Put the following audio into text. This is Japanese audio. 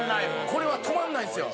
これは止まらないんですよ。